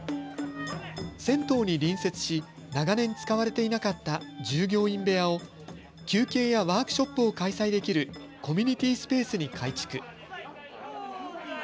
銭湯に隣接し、長年使われていなかった従業員部屋を、休憩やワークショップを開催できるコミュニティスペースに改築。